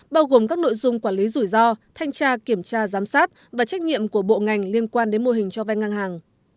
bao gồm các nội dung quản lý rủi ro thanh tra kiểm tra giám sát và trách nhiệm của bộ ngành liên quan đến mô hình cho vay ngang hàng